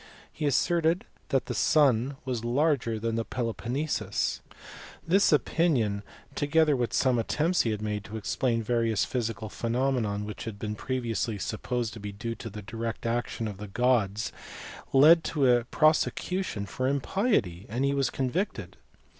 He asserted that the sun was larger than the Peloponnesus: this opinion, together with some attempts he had made to explain various physical ( phenomena which had been previously supposed to be due to the direct action of the gods led to a prosecution for impiety, and he was convicted.